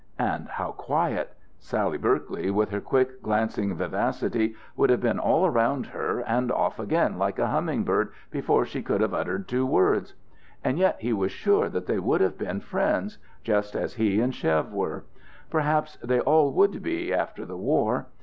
And how quiet! Sally Berkeley, with her quick glancing vivacity, would have been all around her and off again like a humming bird before she could have uttered two words. And yet he was sure that they would have been friends, just as he and Chev were. Perhaps they all would be, after the war.